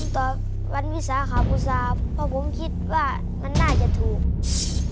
ตอบวันวิสาขาอุตสาหเพราะผมคิดว่ามันน่าจะถูก